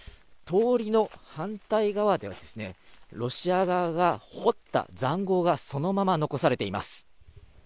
通りの反対側ではロシア側が掘った塹壕がそのまま残されています。